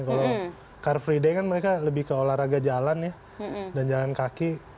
kalau car free day kan mereka lebih ke olahraga jalan ya dan jalan kaki